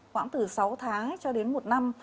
khoảng từ sáu tháng cho đến một năm